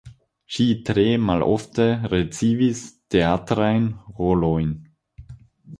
Ŝi tre malofte ricevis teatrajn rolojn.